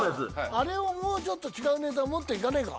あれをもうちょっと違うネタもっといかねえか？